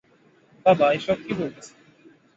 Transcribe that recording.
বাবা, এসব কি বলতেছে?